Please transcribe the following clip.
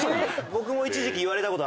僕も一時期言われたことあって。